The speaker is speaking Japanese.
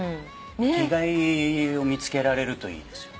生きがいを見つけられるといいですよね。